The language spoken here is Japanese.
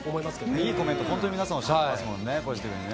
いいコメント、本当皆さんおっしゃってますもんね、ポジティブにね。